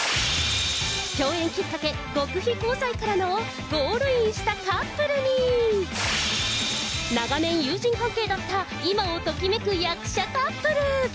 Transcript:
共演きっかけ、極秘交際からのゴールインしたカップルに、長年友人関係だった今をときめく役者カップル。